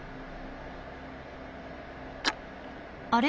あれ？